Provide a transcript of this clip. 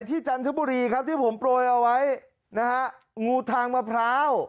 จันทบุรีครับที่ผมโปรยเอาไว้นะฮะงูทางมะพร้าว